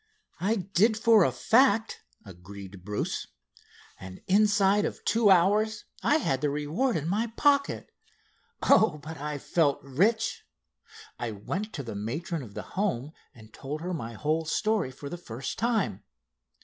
"I did for a fact," agreed Bruce. "And inside of two hours I had the reward in my pocket. Oh but I felt rich! I went to the matron of the home and told her my whole story for the first time.